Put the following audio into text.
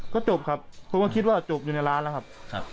ก็จบครับผมก็คิดว่าจบอยู่ในร้านแล้วครับ